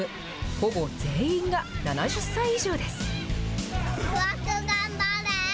ほぼ全員が７０歳以上です。